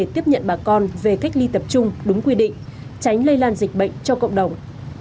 tiếp nhận bà con về cách ly tập trung đúng quy định tránh lây lan dịch bệnh cho cộng đồng